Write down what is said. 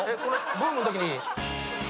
ブームのときに。